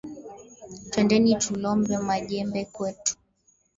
Twendeni tulombe ma jembe kwetu